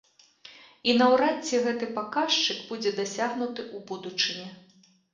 І наўрад ці гэты паказчык будзе дасягнуты ў будучыні.